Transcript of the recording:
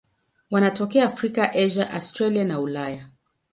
Wanatokea Afrika, Asia, Australia na Ulaya.